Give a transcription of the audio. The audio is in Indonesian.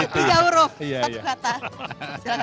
tiga urup satu kata